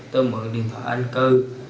tôi mượn điện thoại anh cư